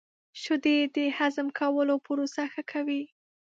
• شیدې د هضم کولو پروسه ښه کوي.